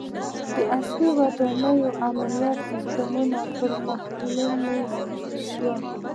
• د عصري ودانیو امنیتي سیستمونه پرمختللي شول.